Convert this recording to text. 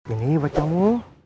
ini buat kamu